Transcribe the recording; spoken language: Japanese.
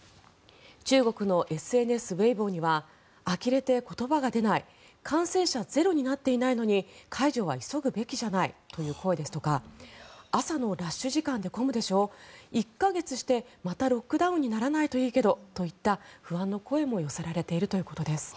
中国のＳＮＳ、ウェイボーにはあきれて言葉が出ない感染者ゼロになっていないのに解除は急ぐべきじゃないという声ですとか朝のラッシュ時間で混むでしょう１か月してまたロックダウンにならないといいけどといった不安の声も寄せられているということです。